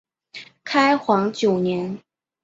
开皇九年。